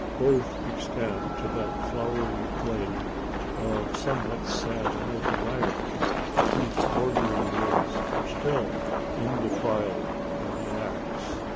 Both extend to that flowery glade, of somewhat sad notoriety whose bordering woods are still undefiled by the axe.